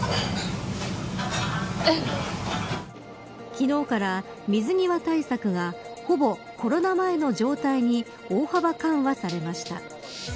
昨日から水際対策がほぼコロナ前の状態に大幅緩和されました。